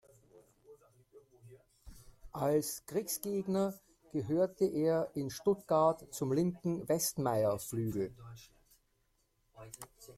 Als Kriegsgegner gehörte er in Stuttgart zum linken Westmeyer-Flügel.